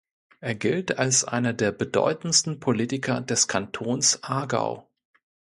Er gilt als einer der bedeutendsten Politiker des Kantons Aargau.